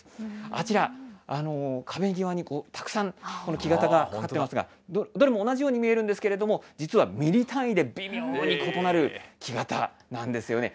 あちら、壁際にたくさん、この木型がかかってますが、どれも同じように見えるんですけれども、実はミリ単位で微妙に異なる木型なんですよね。